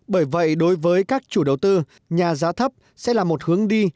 bởi vậy đối với các chủ đầu tư nhà giá thấp sẽ là một hướng đi